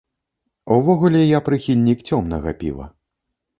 Увогуле, я прыхільнік цёмнага піва.